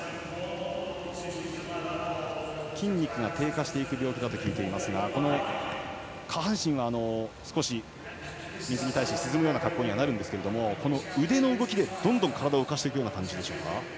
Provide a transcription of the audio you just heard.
筋肉が低下していく病気だと聞いていますが下半身が少し、水に対して沈むような格好にはなるんですが腕の動きでどんどん体を浮かしていく感じでしょうか。